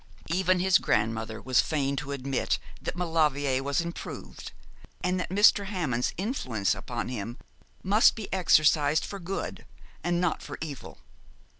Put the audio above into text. Even his grandmother was fain to admit that Maulevrier was improved, and that Mr. Hammond's influence upon him must be exercised for good and not for evil.